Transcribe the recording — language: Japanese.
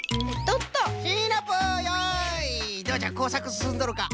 どうじゃこうさくすすんどるか？